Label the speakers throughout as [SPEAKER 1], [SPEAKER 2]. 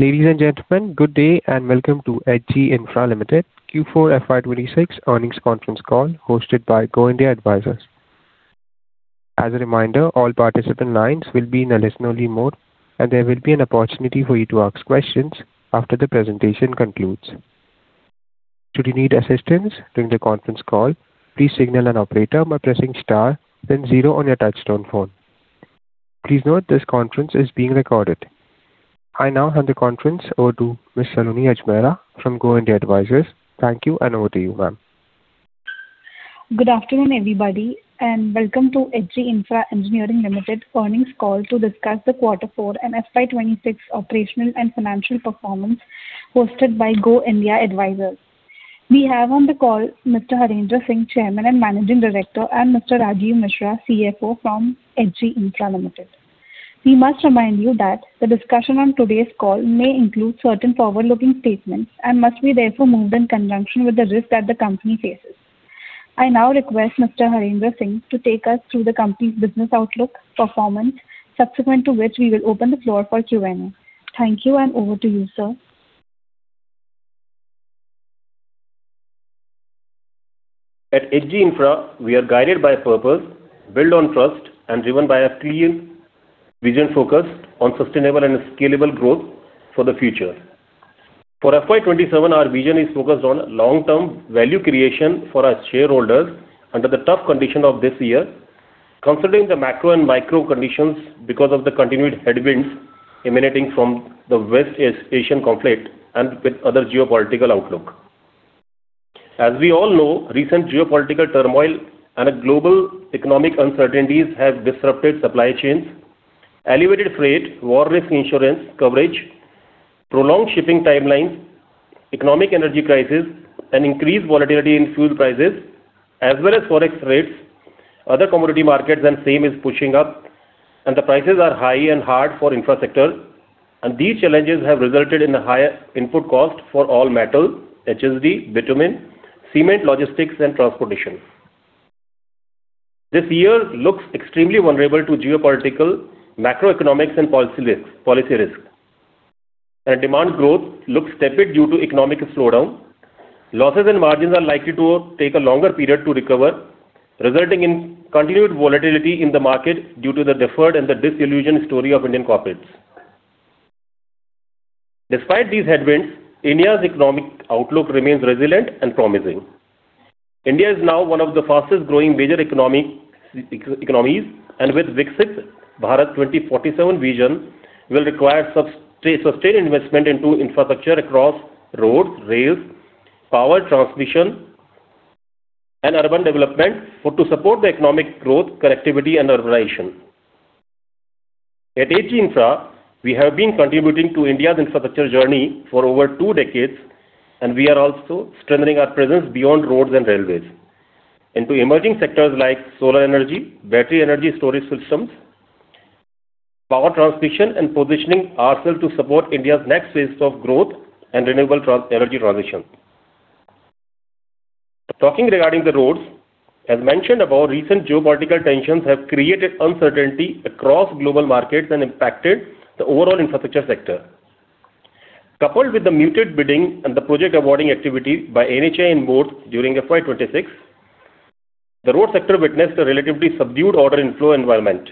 [SPEAKER 1] Ladies and gentlemen, good day and welcome to H.G. Infra Engineering Limited Q4 FY 2026 earnings conference call hosted by Go India Advisors. As a reminder, all participant lines will be in a listen-only mode. There will be an opportunity for you to ask questions after the presentation concludes. Should you need assistance during the conference call, please signal an operator by pressing star then zero on your touchtone phone. Please note this conference is being recorded. I now hand the conference over to Ms. Saloni Ajmera from Go India Advisors. Thank you. Over to you, ma'am.
[SPEAKER 2] Good afternoon, everybody, and welcome to H.G. Infra Engineering Limited earnings call to discuss the quarter four and FY 2026 operational and financial performance hosted by Go India Advisors. We have on the call Mr. Harendra Singh, Chairman and Managing Director, and Mr. Rajeev Mishra, CFO from H.G. Infra Limited. We must remind you that the discussion on today's call may include certain forward-looking statements and must be therefore read in conjunction with the risk that the company faces. I now request Mr. Harendra Singh to take us through the company's business outlook, performance, subsequent to which we will open the floor for Q&A. Thank you, and over to you, sir.
[SPEAKER 3] At H.G. Infra, we are guided by purpose, built on trust, and driven by a clear vision focused on sustainable and scalable growth for the future. For FY 2027, our vision is focused on long-term value creation for our shareholders under the tough condition of this year, considering the macro and micro conditions because of the continued headwinds emanating from the West Asian conflict and with other geopolitical outlook. As we all know, recent geopolitical turmoil and global economic uncertainties have disrupted supply chains, elevated freight, war risk insurance coverage, prolonged shipping timelines, economic energy crisis, and increased volatility in fuel prices as well as forex rates. Other commodity markets and same is pushing up, the prices are high and hard for infra sector. These challenges have resulted in a higher input cost for all metal, HSD, bitumen, cement, logistics, and transportation. This year looks extremely vulnerable to geopolitical, macroeconomics, and policy risk. Demand growth looks tepid due to economic slowdown. Losses and margins are likely to take a longer period to recover, resulting in continued volatility in the market due to the deferred and the disillusioned story of Indian corporates. Despite these headwinds, India's economic outlook remains resilient and promising. India is now one of the fastest-growing major economies, and with Viksit Bharat 2047 vision will require sustained investment into infrastructure across roads, rails, power transmission, and urban development to support the economic growth, connectivity, and urbanization. At H.G. Infra, we have been contributing to India's infrastructure journey for over two decades, and we are also strengthening our presence beyond roads and railways into emerging sectors like solar energy, battery energy storage systems, power transmission, and positioning ourselves to support India's next phases of growth and renewable energy transition. Talking regarding the roads, as mentioned above, recent geopolitical tensions have created uncertainty across global markets and impacted the overall infrastructure sector. Coupled with the muted bidding and the project awarding activity by NHAI and boards during FY 2026, the road sector witnessed a relatively subdued order inflow environment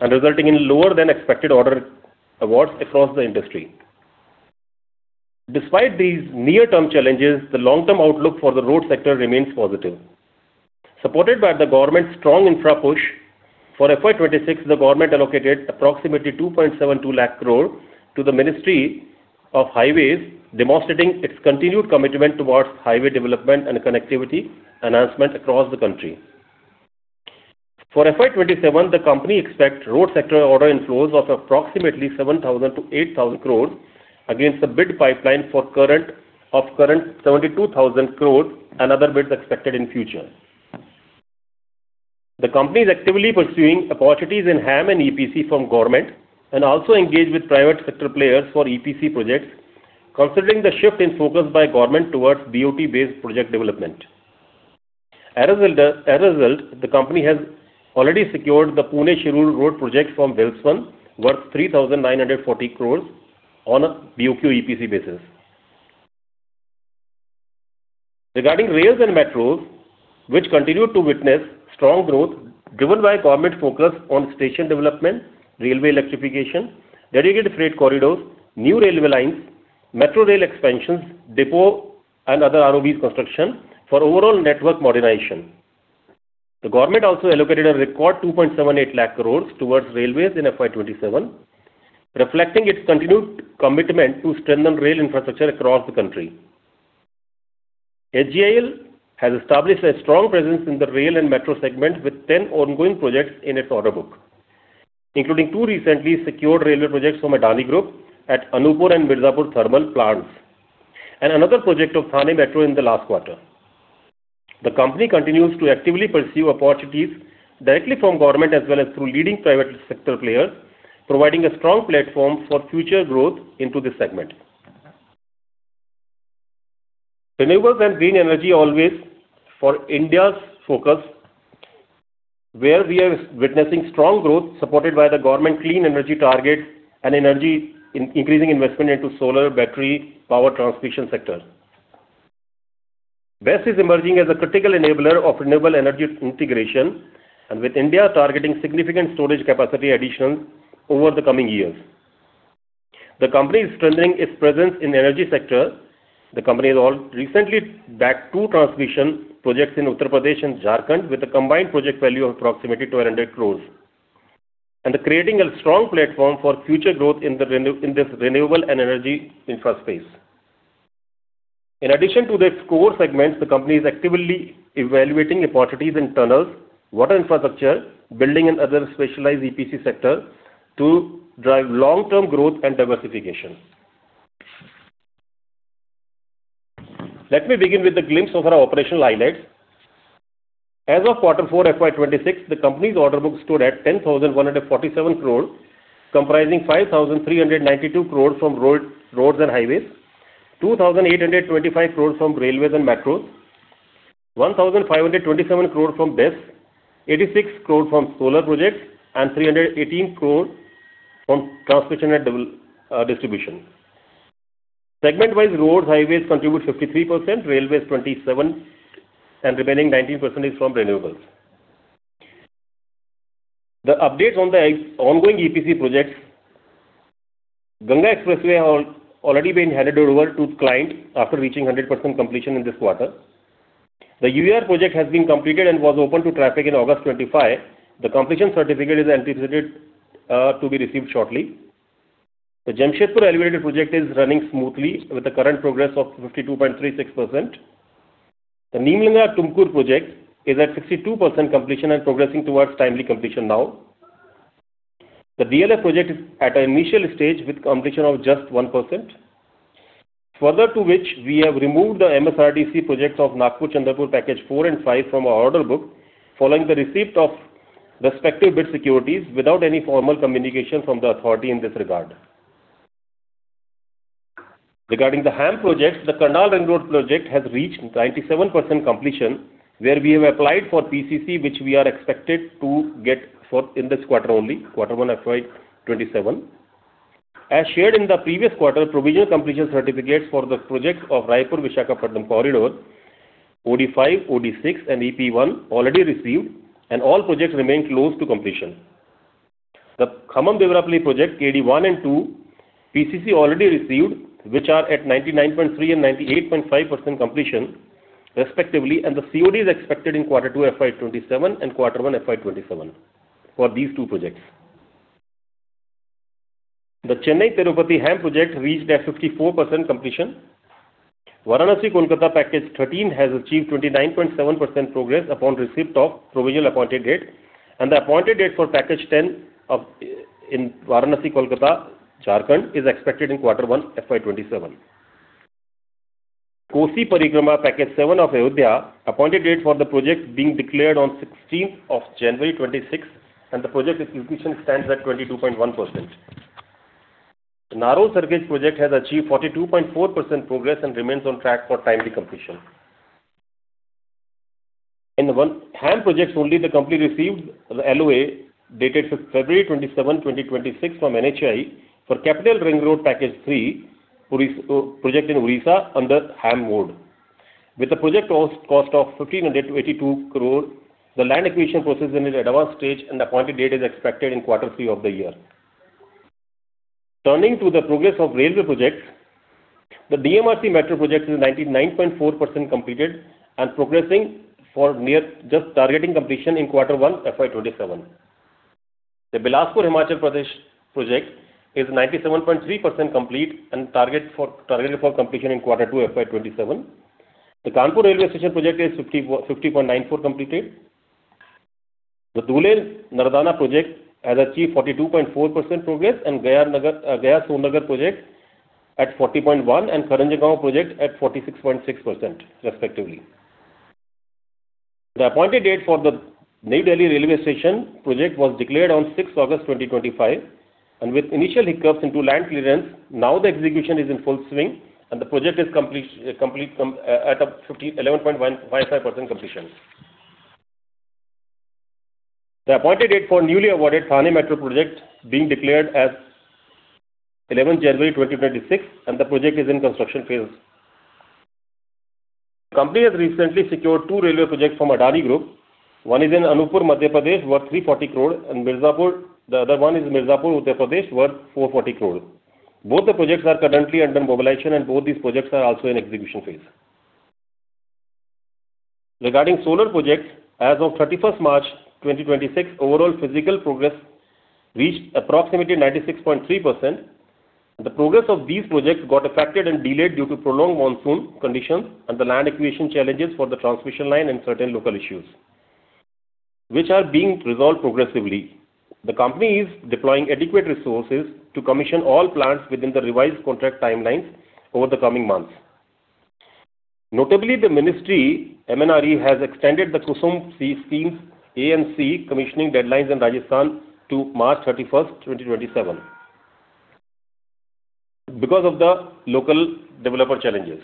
[SPEAKER 3] and resulting in lower than expected order awards across the industry. Despite these near-term challenges, the long-term outlook for the road sector remains positive. Supported by the government's strong infra push, for FY 2026, the government allocated approximately 2.72 lakh crore to the Ministry of Highways, demonstrating its continued commitment towards highway development and connectivity enhancement across the country. For FY 2027, the company expects road sector order inflows of approximately 7,000 crore-8,000 crore against the bid pipeline of current 72,000 crore and other bids expected in future. The company is actively pursuing opportunities in HAM and EPC from government and also engaged with private sector players for EPC projects, considering the shift in focus by government towards BOT-based project development. As a result, the company has already secured the Pune-Shirur road project from Welspun worth 3,940 crores on a BOQ EPC basis. Regarding rails and metros, which continue to witness strong growth driven by government focus on station development, railway electrification, dedicated freight corridors, new railway lines, metro rail expansions, depot, and other ROBs construction for overall network modernization. The government also allocated a record 2.78 lakh crores towards railways in FY 2027, reflecting its continued commitment to strengthen rail infrastructure across the country. HGIEL has established a strong presence in the rail and metro segment with 10 ongoing projects in its order book, including two recently secured railway projects from Adani Group at Anuppur and Mirzapur thermal plants and another project of Thane Metro in the last quarter. The company continues to actively pursue opportunities directly from government as well as through leading private sector players, providing a strong platform for future growth into this segment. Renewables and green energy always for India's focus, where we are witnessing strong growth supported by the government clean energy target and energy increasing investment into solar battery power transmission sector. BESS is emerging as a critical enabler of renewable energy integration. With India targeting significant storage capacity additions over the coming years, the company is strengthening its presence in energy sector. The company has recently bagged two transmission projects in Uttar Pradesh and Jharkhand with a combined project value of approximately 200 crore. Creating a strong platform for future growth in this renewable and energy infra space. In addition to its core segments, the company is actively evaluating opportunities in tunnels, water infrastructure, building and other specialized EPC sector to drive long-term growth and diversification. Let me begin with the glimpse of our operational highlights. As of quarter four FY 2026, the company's order book stood at 10,147 crore, comprising 5,392 crore from roads and highways, 2,825 crore from railways and metros, 1,527 crore from BESS, 86 crore from solar projects, and 318 crore from transmission and distribution. Segment-wise, roads, highways contribute 53%, railways 27%, and remaining 19% is from renewables. The updates on the ongoing EPC projects. Ganga Expressway have already been handed over to client after reaching 100% completion in this quarter. The UER project has been completed and was open to traffic in August 2025. The completion certificate is anticipated to be received shortly. The Jamshedpur elevated project is running smoothly with the current progress of 52.36%. The Nelamangala-Tumkur project is at 62% completion and progressing towards timely completion now. The DLF project is at an initial stage with completion of just 1%. Further to which we have removed the MSRDC projects of Nagpur-Chandrapur Package four and five from our order book, following the receipt of respective bid securities without any formal communication from the authority in this regard. Regarding the HAM projects, the Karnal Ring Road project has reached 97% completion, where we have applied for PCC, which we are expected to get in this quarter only, quarter one FY 2027. As shared in the previous quarter, provisional completion certificates for the project of Raipur-Visakhapatnam Corridor, OD-05, OD-06, and EP-01 already received, and all projects remain close to completion. The Khammam-Devarapalle project KD-01 and KD-02, PCC already received, which are at 99.3% and 98.5% completion respectively, and the COD is expected in quarter two FY 2027 and quarter one FY 2027 for these two projects. The Chennai-Tirupati HAM project reached at 54% completion. Varanasi-Kolkata Package 13 has achieved 29.7% progress upon receipt of provisional appointed date, and the appointed date for Package 10 in Varanasi-Kolkata, Jharkhand is expected in quarter one FY 2027. Kosi Parikrama Package 7 of Ayodhya, appointed date for the project being declared on 16th of January 2026, and the project execution stands at 22.1%. Narol-Sarkhej project has achieved 42.4% progress and remains on track for timely completion. In the HAM projects only, the company received the LOA dated February 27, 2026 from NHAI for Capital Region Ring Road Package 3 project in Odisha under HAM mode. With the project cost of 1,582 crore, the land acquisition process is in advanced stage and the appointed date is expected in quarter three of the year. Turning to the progress of railway projects, the DMRC metro project is 99.4% completed and progressing for just targeting completion in quarter one FY 2027. The Bilaspur Himachal Pradesh project is 97.3% complete and targeted for completion in quarter two FY 2027. The Kanpur railway station project is 50.94% completed. The Dhule-Nardana project has achieved 42.4% progress and Gaya-Son Nagar project at 40.1% and Farakka-Jangaon project at 46.6%, respectively. The appointed date for the New Delhi railway station project was declared on 6th August 2025, and with initial hiccups into land clearance, now the execution is in full swing and the project is at 11.55% completion. The appointed date for newly awarded Thane Metro project being declared as 11 January 2026 and the project is in construction phase. Company has recently secured two railway projects from Adani Group. One is in Anuppur, Madhya Pradesh worth 340 crore and the other one is Mirzapur, Uttar Pradesh worth 440 crore. Both the projects are currently under mobilization and both these projects are also in execution phase. Regarding solar projects, as of 31st March 2026, overall physical progress reached approximately 96.3%. The progress of these projects got affected and delayed due to prolonged monsoon conditions and the land acquisition challenges for the transmission line and certain local issues, which are being resolved progressively. The company is deploying adequate resources to commission all plants within the revised contract timelines over the coming months. Notably, the Ministry of New and Renewable Energy has extended the KUSUM Scheme's Annual Maintenance Contract commissioning deadlines in Rajasthan to March 31st, 2027, because of the local developer challenges.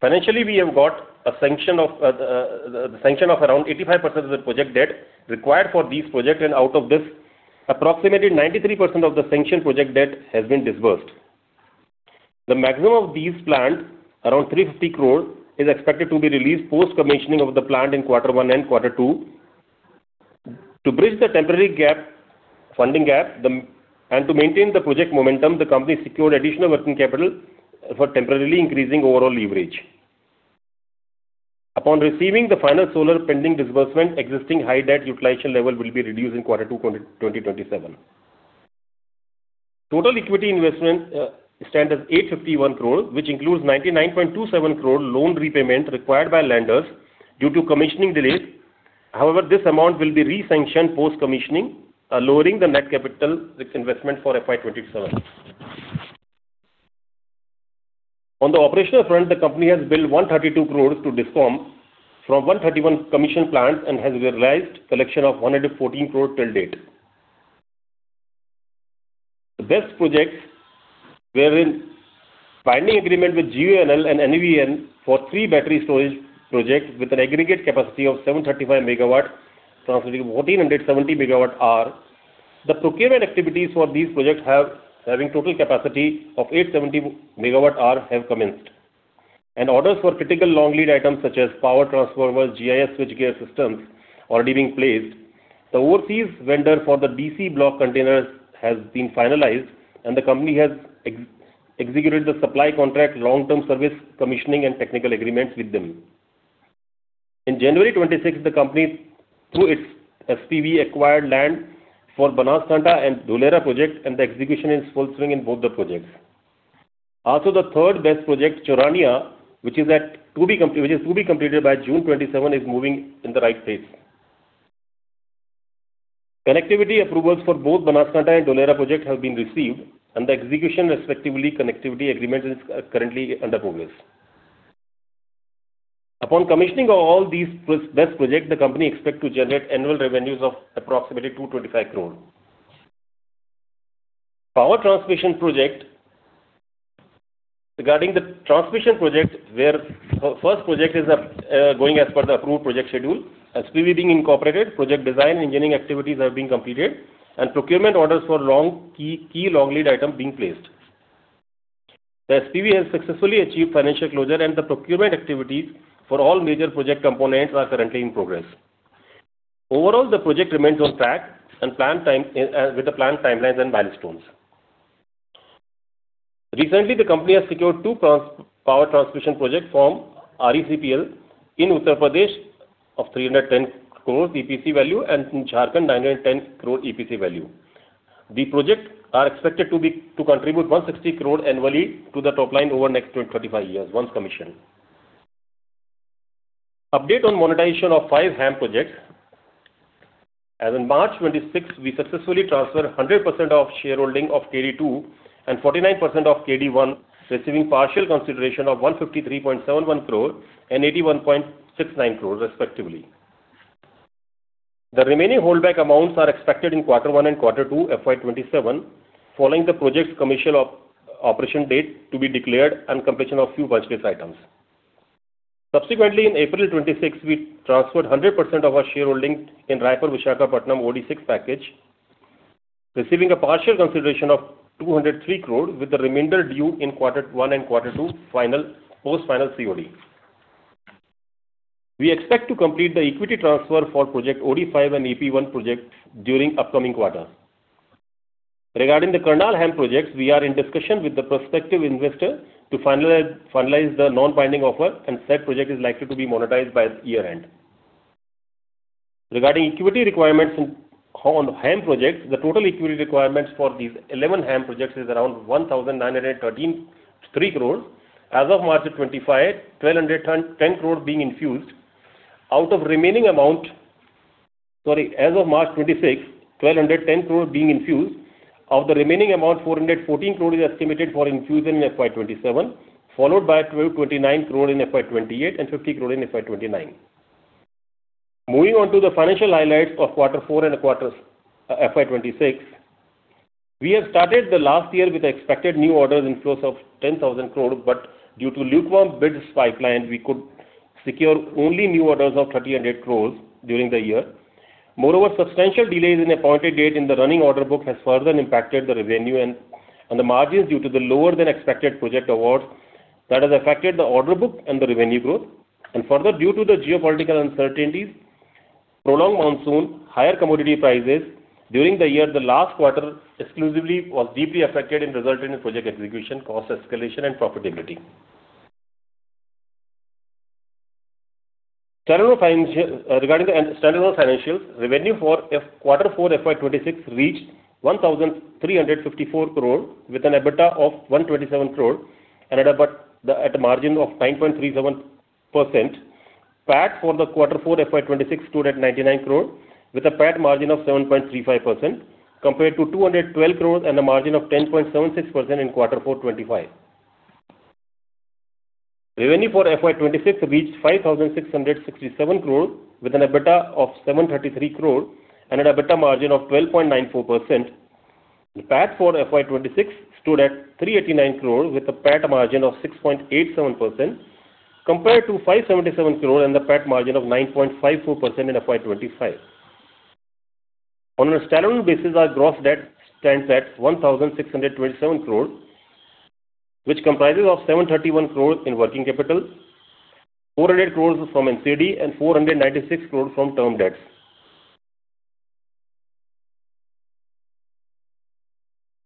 [SPEAKER 3] Financially, we have got a sanction of around 85% of the project debt required for these projects, and out of this, approximately 93% of the sanction project debt has been disbursed. The maximum of these plans, around 350 crore, is expected to be released post-commissioning of the plant in quarter one and quarter two. To bridge the temporary funding gap, and to maintain the project momentum, the company secured additional working capital for temporarily increasing overall leverage. Upon receiving the final solar pending disbursement, existing high debt utilization level will be reduced in quarter two, 2027. Total equity investment stands at 851 crore, which includes 99.27 crore loan repayment required by lenders due to commissioning delays. However, this amount will be re-sanctioned post-commissioning, lowering the net capital investment for FY 2027. On the operational front, the company has billed 132 crore to DISCOM from 131 commission plants and has realized collection of 114 crore till date. The BESS projects, we are in binding agreement with GUVNL and NVVN for three battery storage projects with an aggregate capacity of 735 MW, translating 1,470 MWh. The procurement activities for these projects, having total capacity of 870 MWh, have commenced. Orders for critical long lead items such as power transformers, GIS switchgear systems are already being placed. The overseas vendor for the BESS block containers has been finalized, and the company has executed the supply contract long-term service commissioning and technical agreements with them. In January 2026, the company, through its SPV, acquired land for Banaskantha and Dholera projects, and the execution is full swing in both the projects. Also, the third BESS project, Choraniya, which is to be completed by June 2027, is moving in the right pace. Connectivity approvals for both Banasthanda and Dholera projects have been received, and the execution respectively, connectivity agreements are currently under progress. Upon commissioning of all these BESS project, the company expect to generate annual revenues of approximately 225 crore. Power transmission project. Regarding the transmission project, where first project is going as per the approved project schedule, SPV being incorporated, project design engineering activities are being completed, and procurement orders for key long lead items being placed. The SPV has successfully achieved financial closure, and the procurement activities for all major project components are currently in progress. Overall, the project remains on track with the planned timelines and milestones. Recently, the company has secured two power transmission projects from RECPDCL in Uttar Pradesh of 310 crore EPC value and in Jharkhand 910 crore EPC value. The projects are expected to contribute 160 crore annually to the top line over next 25 years, once commissioned. Update on monetization of five HAM projects. As in March 26, we successfully transferred 100% of shareholding of KD-02 and 49% of KD-01, receiving partial consideration of 153.71 crore and 81.69 crore respectively. The remaining holdback amounts are expected in quarter one and quarter two FY 2027, following the project's commission operation date to be declared and completion of few purchase items. Subsequently, in April 2026, we transferred 100% of our shareholding in Raipur-Visakhapatnam OD-06 package, receiving a partial consideration of 203 crore, with the remainder due in quarter one and quarter two post final COD. We expect to complete the equity transfer for project OD-05 and EP-01 project during upcoming quarter. Regarding the Karnal HAM projects, we are in discussion with the prospective investor to finalize the non-binding offer, said project is likely to be monetized by year-end. Regarding equity requirements on HAM projects, the total equity requirements for these 11 HAM projects is around 1,913 crore. As of March 2026, 1,210 crore being infused. As of March 26th, 1,210 crore being infused, of the remaining amount 414 crore is estimated for infusion in FY 2027, followed by 1,229 crore in FY 2028 and 50 crore in FY 2029. Moving on to the financial highlights of quarter four and FY 2026. We have started the last year with expected new orders inflows of 10,000 crore, but due to lukewarm bids pipeline, we could secure only new orders of 3,800 crore during the year. Moreover, substantial delays in appointed date in the running order book has further impacted the revenue and the margins due to the lower than expected project awards that has affected the order book and the revenue growth. Further, due to the geopolitical uncertainties, prolonged monsoon, higher commodity prices during the year, the last quarter exclusively was deeply affected and resulted in project execution, cost escalation, and profitability. Regarding the standalone financials, revenue for quarter four FY 2026 reached 1,354 crore with an EBITDA of 127 crore and at a margin of 9.37%. PAT for the quarter four FY 2026 stood at 99 crore with a PAT margin of 7.35%, compared to 212 crore and a margin of 10.76% in quarter four 2025. Revenue for FY 2026 reached 5,667 crore with an EBITDA of 733 crore and an EBITDA margin of 12.94%. The PAT for FY 2026 stood at 389 crore with a PAT margin of 6.87%, compared to 577 crore and a PAT margin of 9.54% in FY 2025. On a standalone basis, our gross debt stands at 1,627 crore, which comprises of 731 crore in working capital, 400 crore from NCD and 496 crore from term debts.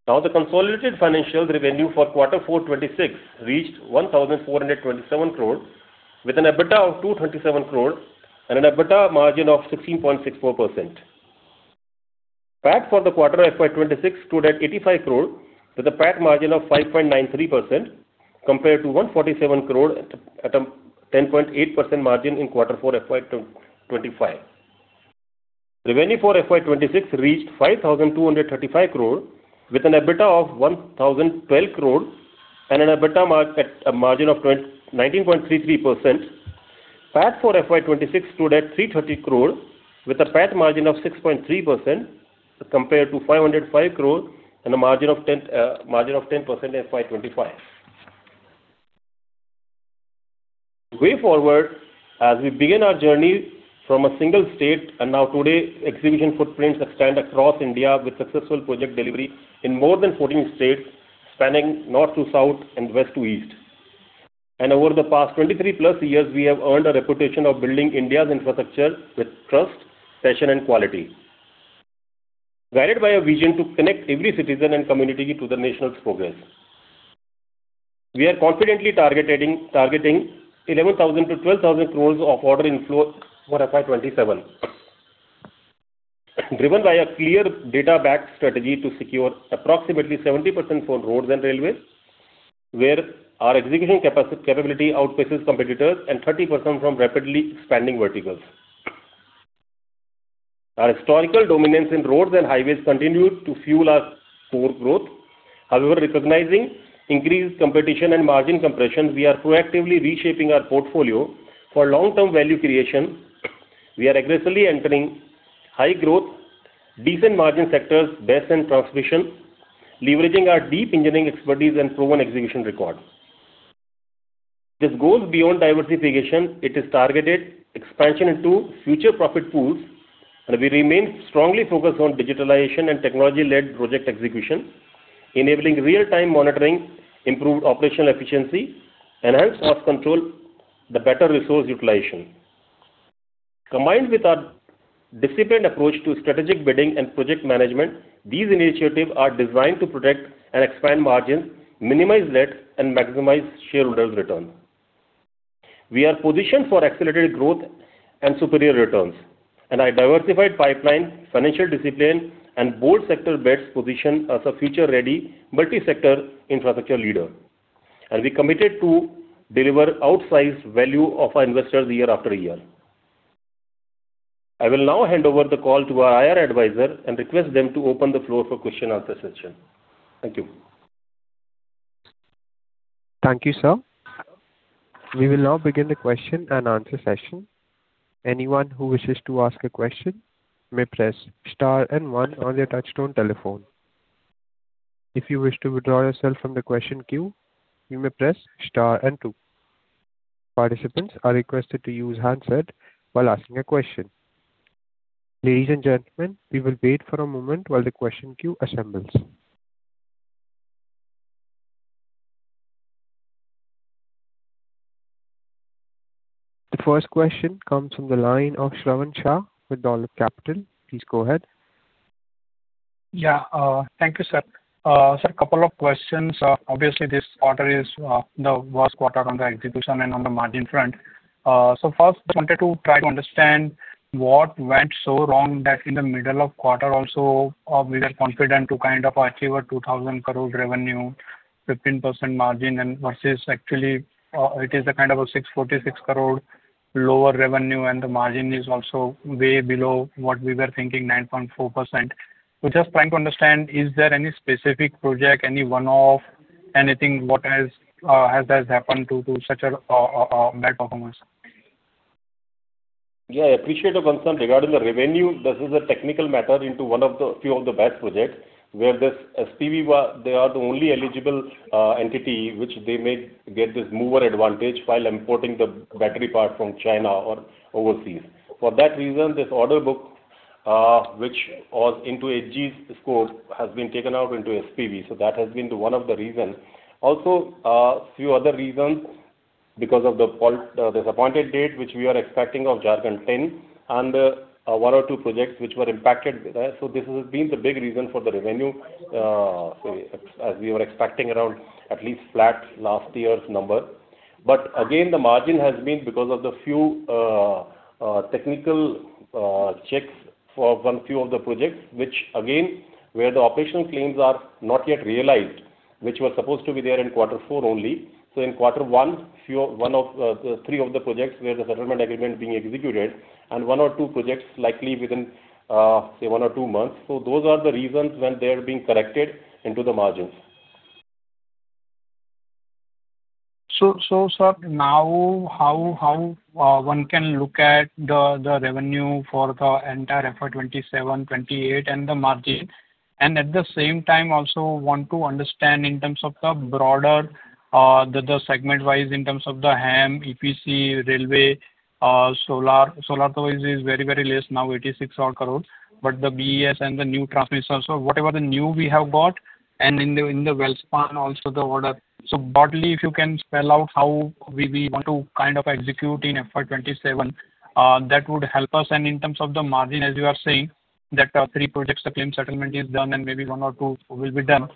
[SPEAKER 3] The consolidated financial revenue for quarter four 2026 reached 1,427 crore with an EBITDA of 227 crore and an EBITDA margin of 16.64%. PAT for the quarter FY 2026 stood at 85 crore with a PAT margin of 5.93%, compared to 147 crore at a 10.8% margin in quarter four FY 2025. Revenue for FY 2026 reached 5,235 crore with an EBITDA of 1,012 crore and an EBITDA margin of 19.33%. PAT for FY 2026 stood at 330 crore with a PAT margin of 6.3%, compared to 505 crore and a margin of 10% in FY 2025. Way forward, as we begin our journey from a single state and now today, exhibition footprints extend across India with successful project delivery in more than 14 states, spanning north to south and west to east. Over the past 23+ years, we have earned a reputation of building India's infrastructure with trust, passion, and quality. Guided by a vision to connect every citizen and community to the nation's progress. We are confidently targeting 11,000 crore-12,000 crore of order inflow for FY 2027. Driven by a clear data-backed strategy to secure approximately 70% for roads and railways, where our execution capability outpaces competitors and 30% from rapidly expanding verticals. Our historical dominance in roads and highways continued to fuel our core growth. However, recognizing increased competition and margin compression, we are proactively reshaping our portfolio for long-term value creation. We are aggressively entering high growth, decent margin sectors, BESS in transmission, leveraging our deep engineering expertise and proven execution record. This goes beyond diversification. It is targeted expansion into future profit pools and we remain strongly focused on digitalization and technology-led project execution, enabling real-time monitoring, improved operational efficiency, enhanced cost control, better resource utilization. Combined with our disciplined approach to strategic bidding and project management, these initiatives are designed to protect and expand margins, minimize debt, and maximize shareholder return. We are positioned for accelerated growth and superior returns. Our diversified pipeline, financial discipline, and bold sector bets position us a future-ready multi-sector infrastructure leader. We're committed to deliver outsized value to our investors year after year. I will now hand over the call to our IR advisor and request them to open the floor for question and answer session. Thank you.
[SPEAKER 1] Thank you, sir. We will now begin the question and answer session. Anyone who wishes to ask a question may press star and one on their touchtone telephone. If you wish to withdraw yourself from the question queue, you may press star and two. Participants are requested to use handset while asking a question. Ladies and gentlemen, we will wait for a moment while the question queue assembles. The first question comes from the line of Shravan Shah with Dolat Capital. Please go ahead.
[SPEAKER 4] Yeah. Thank you, sir. Sir, a couple of questions. Obviously, this quarter is the worst quarter on the execution and on the margin front. First, just wanted to try to understand what went so wrong that in the middle of quarter also, we were confident to achieve a 2,000 crore revenue, 15% margin and versus actually, it is a kind of a 646 crore lower revenue and the margin is also way below what we were thinking, 9.4%. Just trying to understand, is there any specific project, any one-off, anything what has happened to such a bad performance?
[SPEAKER 3] Yeah, I appreciate your concern. Regarding the revenue, this is a technical matter into one of the few of the BESS projects where this SPV, they are the only eligible entity which they may get this mover advantage while importing the battery part from China or overseas. For that reason, this order book which was into H.G.'s scope has been taken out into SPV. That has been one of the reasons. Also, a few other reasons because of the appointed date which we are expecting of Jharkhand 10 and one or two projects which were impacted. This has been the big reason for the revenue as we were expecting around at least flat last year's number. Again, the margin has been because of the few technical checks for one, few of the projects which again, where the operational claims are not yet realized, which were supposed to be there in quarter four only. In quarter one, three of the projects where the settlement agreement being executed and one or two projects likely within, say one or two months. Those are the reasons when they are being corrected into the margins.
[SPEAKER 4] Sir, now how one can look at the revenue for the entire FY 2027, FY 2028 and the margin. At the same time also want to understand in terms of the broader, the segment-wise in terms of the HAM, EPC, railway, solar. Solar though is very less now, 86 crore. The BESS and the new transmission. Whatever the new we have got and in the Welspun also the order. Broadly, if you can spell out how we want to kind of execute in FY 2027, that would help us. In terms of the margin, as you are saying, that three projects, the claim settlement is done and maybe one or two will be done.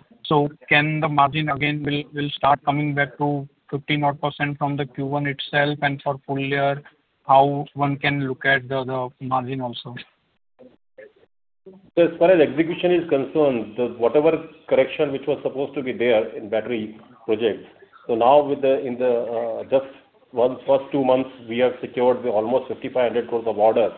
[SPEAKER 4] Can the margin again will start coming back to 15% odd from the Q1 itself and for full year, how one can look at the margin also?
[SPEAKER 3] As far as execution is concerned, whatever correction which was supposed to be there in battery projects. Now within just first two months we have secured almost 5,500 crore of order,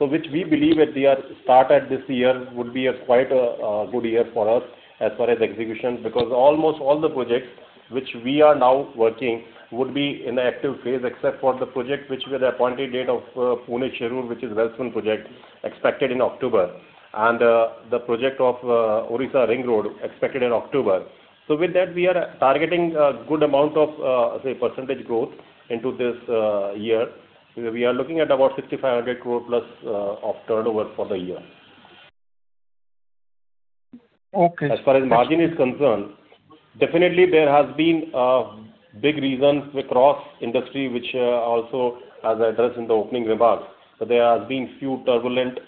[SPEAKER 3] which we believe at the start of this year would be quite a good year for us as far as execution. Almost all the projects which we are now working would be in the active phase, except for the project which with the appointed date of Pune-Shirur, which is Welspun project, expected in October. The project of Odisha Ring Road expected in October. With that, we are targeting a good amount of, say, percentage growth into this year. We are looking at about 6,500 crore plus of turnover for the year.
[SPEAKER 4] Okay.
[SPEAKER 3] As far as margin is concerned, definitely there has been a big reasons across industry, which also as I addressed in the opening remarks. There has been few turbulent,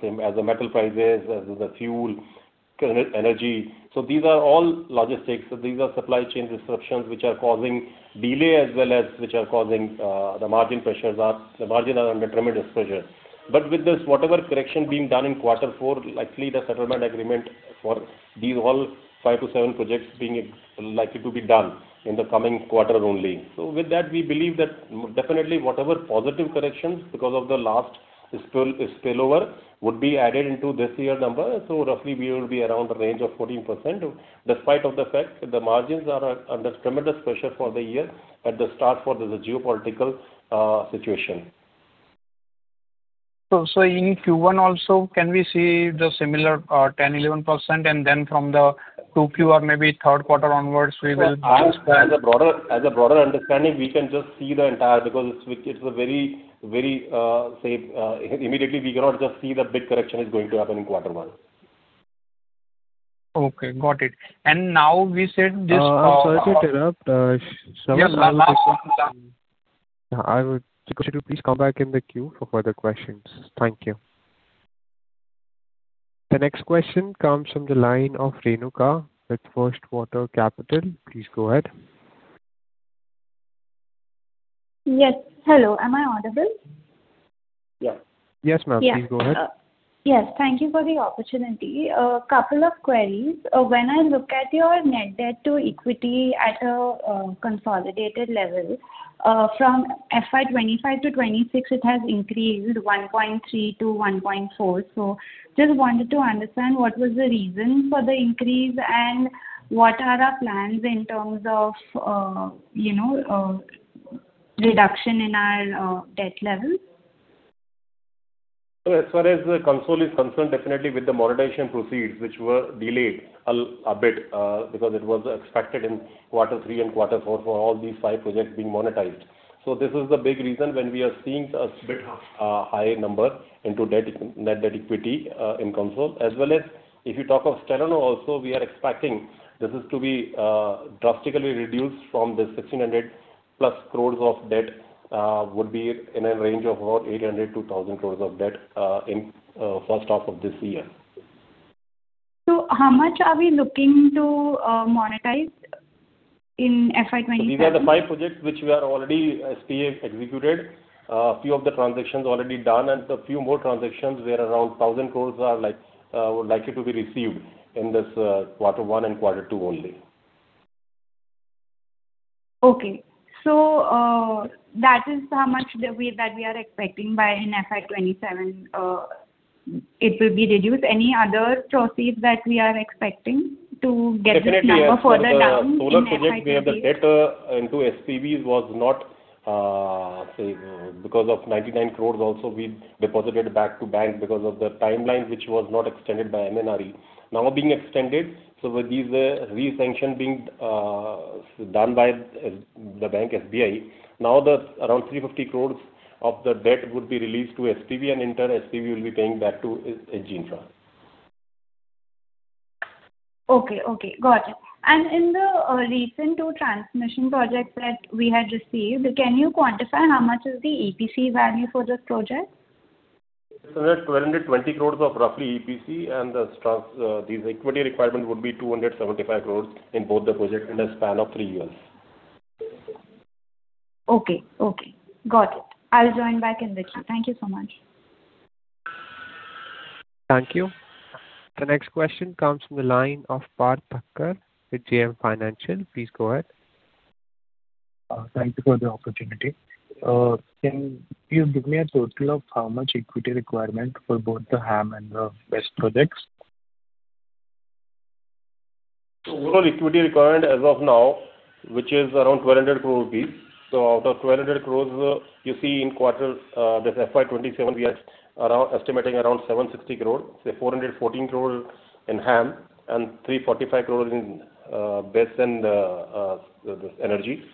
[SPEAKER 3] same as the metal prices, as the fuel, energy. These are all logistics. These are supply chain disruptions which are causing delay as well as which are causing The margin are under tremendous pressure. With this, whatever correction being done in quarter four, likely the settlement agreement for these whole five to seven projects likely to be done in the coming quarter only. With that, we believe that definitely whatever positive corrections because of the last spillover would be added into this year number. Roughly we will be around the range of 14%, despite of the fact that the margins are under tremendous pressure for the year at the start for the geopolitical situation.
[SPEAKER 4] In Q1 also, can we see the similar 10%, 11% and then from the 2Q or maybe third quarter onwards?
[SPEAKER 3] As a broader understanding, we can just see the entire, because immediately we cannot just see the big correction is going to happen in quarter one.
[SPEAKER 4] Okay, got it.
[SPEAKER 1] I'm sorry to interrupt.
[SPEAKER 4] Yes.
[SPEAKER 1] I would request you to please come back in the queue for further questions. Thank you. The next question comes from the line of Renuka with First Water Capital. Please go ahead.
[SPEAKER 5] Yes. Hello, am I audible? Yes.
[SPEAKER 1] Yes, ma'am. Please go ahead.
[SPEAKER 5] Yes. Thank you for the opportunity. A couple of queries. When I look at your net debt to equity at a consolidated level, from FY 2025 to FY 2026 it has increased 1.3-1.4. Just wanted to understand what was the reason for the increase and what are our plans in terms of reduction in our debt level.
[SPEAKER 3] As far as the consol is concerned, definitely with the monetization proceeds, which were delayed a bit because it was expected in quarter three and quarter four for all these five projects being monetized. This is the big reason when we are seeing a bit high number into net debt equity in consol. As well as if you talk of standalone also we are expecting this is to be drastically reduced from the 1,600+ crores of debt would be in a range of about 800 crores-1,000 crores of debt in first half of this year.
[SPEAKER 5] How much are we looking to monetize in FY 2027?
[SPEAKER 3] These are the five projects which we are already SPA executed. Few of the transactions already done and a few more transactions where around 1,000 crore are likely to be received in this quarter one and quarter two only.
[SPEAKER 5] Okay. That is how much that we are expecting by in FY 2027, it will be reduced. Any other proceeds that we are expecting to get this number further down in FY 2028?
[SPEAKER 3] Solar project where the debt into SPVs was not, say because of 99 crores also we deposited back to bank because of the timeline which was not extended by MNRE. Now being extended, with these re-sanction being done by the bank SBI, now the around 350 crores of the debt would be released to SPV and in turn SPV will be paying back to H.G. Infra.
[SPEAKER 5] Okay. Got it. In the recent two transmission projects that we had received, can you quantify how much is the EPC value for this project?
[SPEAKER 3] It's around 120 crores of roughly EPC and these equity requirement would be 275 crores in both the project in a span of three years.
[SPEAKER 5] Okay. Got it. I'll join back in the queue. Thank you so much.
[SPEAKER 1] Thank you. The next question comes from the line of Parth Thakkar with JM Financial. Please go ahead.
[SPEAKER 6] Thank you for the opportunity. Can you give me a total of how much equity requirement for both the HAM and the BESS projects?
[SPEAKER 3] Overall equity requirement as of now, which is around 1,200 crore rupees. Out of 1,200 crore, you see in quarters, this FY 2027, we are estimating around 760 crore. Say 414 crore in HAM and 345 crore in BESS and energy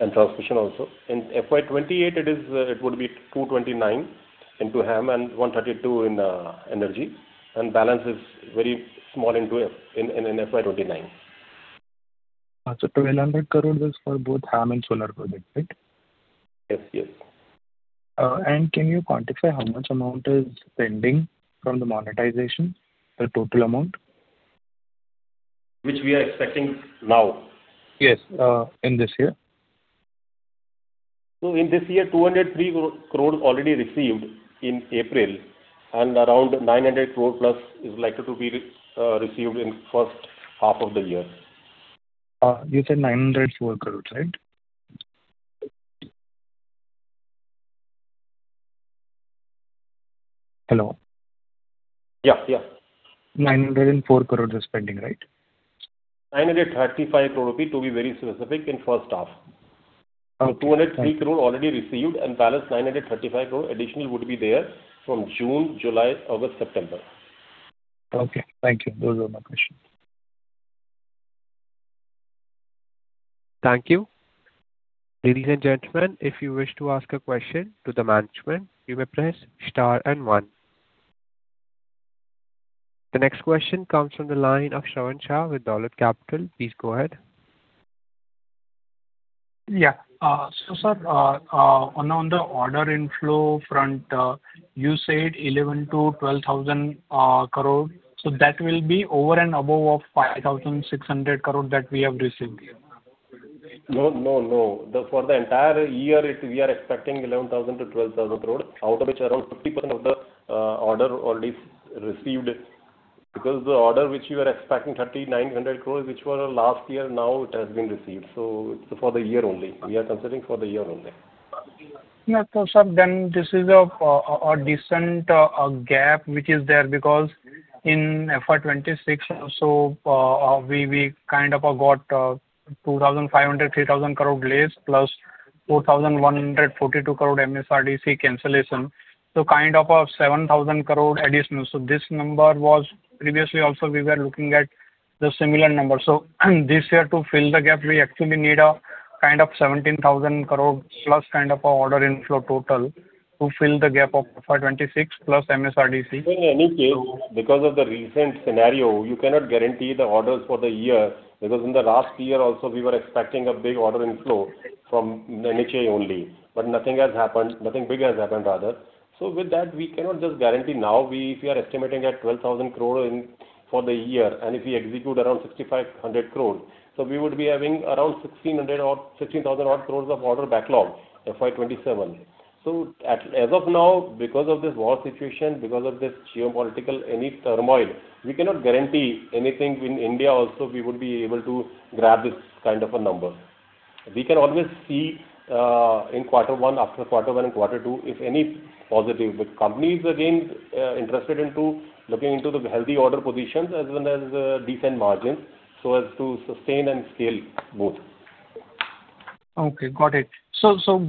[SPEAKER 3] and transmission also. In FY 2028, it would be 229 into HAM and 132 in energy, and balance is very small in FY 2029.
[SPEAKER 6] 1,200 crore for both HAM and solar projects, right?
[SPEAKER 3] Yes.
[SPEAKER 6] Can you quantify how much amount is pending from the monetization? The total amount.
[SPEAKER 3] Which we are expecting now?
[SPEAKER 6] Yes, in this year.
[SPEAKER 3] In this year, 203 crore already received in April, and around 900 crore plus is likely to be received in first half of the year.
[SPEAKER 6] You said 904 crores, right? Hello?
[SPEAKER 3] Yeah.
[SPEAKER 6] 904 crore pending, right?
[SPEAKER 3] 935 crore rupee, to be very specific, in first half. 203 crore already received, and balance 935 crore additional would be there from June, July, August, September.
[SPEAKER 6] Okay. Thank you. Those were my questions.
[SPEAKER 1] Thank you. Ladies and gentlemen, if you wish to ask a question to the management, you may press star and one. The next question comes from the line of Shravan Shah with Dolat Capital. Please go ahead.
[SPEAKER 4] Yeah. Sir, on the order inflow front, you said 11,000 crore-12,000 crore. That will be over and above 5,600 crore that we have received.
[SPEAKER 3] No. For the entire year, we are expecting 11,000 crore-12,000 crore, out of which around 50% of the order already received. The order which we were expecting, 3,900 crore, which were last year, now it has been received. It's for the year only. We are considering for the year only.
[SPEAKER 4] No, sir, this is a decent gap which is there because in FY 2026 also, we kind of got 2,500 crore, 3,000 crore delays, plus 4,142 crore MSRDC cancellation. Kind of a 7,000 crore additional. This number was previously also we were looking at the similar number. This year to fill the gap, we actually need a kind of 17,000 crore plus kind of order inflow total to fill the gap of FY 2026 plus MSRDC.
[SPEAKER 3] In any case, because of the recent scenario, you cannot guarantee the orders for the year because in the last year also, we were expecting a big order inflow from NHAI only. Nothing has happened. Nothing big has happened, rather. With that, we cannot just guarantee now. If we are estimating at 12,000 crore for the year, and if we execute around 6,500 crore, we would be having around 16,000 odd crores of order backlog, FY 2027. As of now, because of this war situation, because of this geopolitical, any turmoil, we cannot guarantee anything in India also, we would be able to grab this kind of a number. We can always see after quarter one and quarter two if any positive. Companies again interested into looking into the healthy order positions as well as decent margins so as to sustain and scale both.
[SPEAKER 4] Okay, got it.